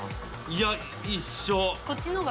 いや一緒。